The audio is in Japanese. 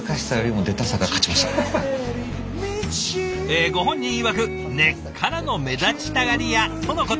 えご本人いわく根っからの目立ちたがり屋とのこと。